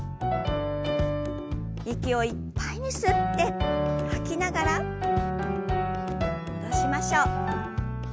息をいっぱいに吸って吐きながら戻しましょう。